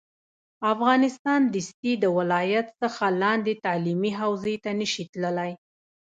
افغانستان دستي د ولایت څخه لاندې تعلیمي حوزې ته نه شي تللی